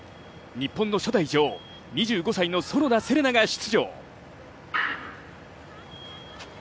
日本の初代女王、２５歳の園田世玲奈が出場。